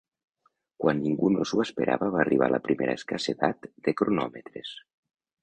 Quan ningú no s'ho esperava va arribar la primera escassedat de cronòmetres.